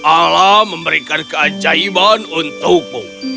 alam memberikan keajaiban untukmu